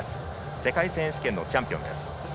世界選手権のチャンピオン。